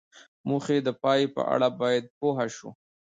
د موخې د پای په اړه باید پوه شو.